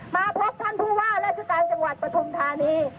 มาพบท่านผู้ว่าราชการจังหวัดปฐุมธานี